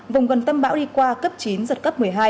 vùng gần tâm bão đi qua cấp chín giật cấp một mươi hai